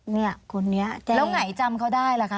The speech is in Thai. เนี่ยคนนี้แล้วไงจำเขาได้ล่ะคะ